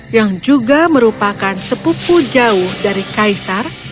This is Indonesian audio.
yang juga merupakan sepupu jauh dari kaisar